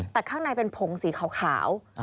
แต่ข้างในเป็นผงสีขาว